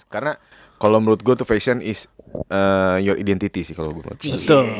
karena kalo menurut gue tuh fashion is your identity sih kalo gue menurut lo